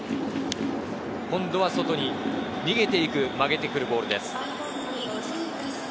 今度は外に逃げていく、曲げてくるボールです。